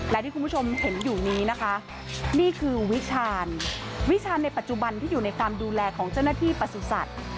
และที่คุณผู้ชมเห็นอยู่นี้นะคะนี่คือวิชาณวิชาณในปัจจุบันที่อยู่ในความดูแลของเจ้าหน้าที่ประสุทธิ์